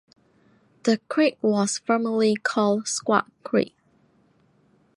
The creek was formerly called Squaw Creek.